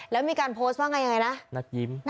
แล้วมีการโพสต์บ้างยังไงนะ